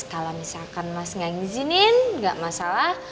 kalau misalkan mas gak ngizinin gak masalah